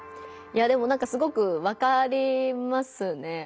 いやでもなんかすごくわかりますね。